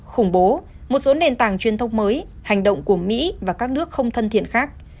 khủng bố một số nền tảng truyền thông mới hành động của mỹ và các nước không thân thiện khác